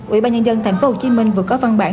ubnd tp hcm vừa có văn bản